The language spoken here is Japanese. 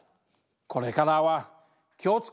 これからは気を付けろよ！